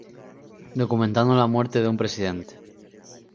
Documentando la muerte de un presidente: